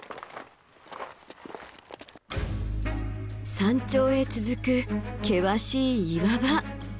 山頂へ続く険しい岩場。